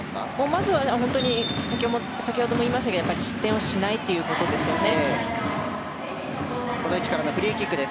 まずは先ほども言いましたけど失点をしないということですよね。